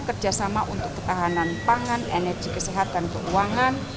kerjasama untuk ketahanan pangan energi kesehatan keuangan